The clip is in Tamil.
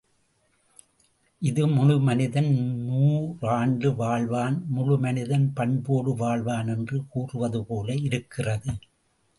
இது முழு மனிதன் நூறாண்டு வாழ்வான் முழு மனிதன் பண்போடு வாழ்வான் என்று கூறுவதுபோல இருக்கிறது.